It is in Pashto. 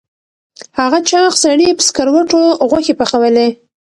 هغه چاغ سړي په سکروټو غوښې پخولې.